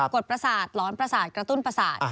ดประสาทหลอนประสาทกระตุ้นประสาท